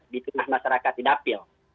di tengah masyarakat tidak apil